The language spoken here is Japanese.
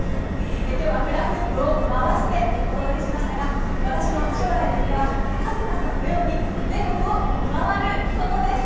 今日はフラフープを回してお届けしましたが私の将来の夢は春日さんのように全国を回ることです。